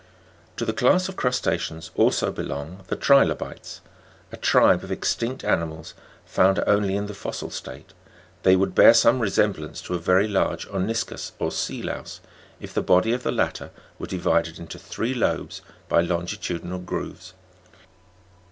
21. To the class of Crusla'ceans also belong the Tri'lobites, a tribe of extinct animals found only in the fossil state^ they would bear some resemblance to a very large oniscus or sea louse, if the body of the latter were divided into three lobes by longitudinal grooves.